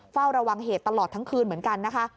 เฝ้าระวังเหตุตลอดทั้งคืนเหมือนกันนะคะ